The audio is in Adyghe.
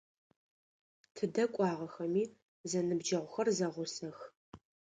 Тыдэ кӏуагъэхэми, зэныбджэгъухэр зэгъусэх.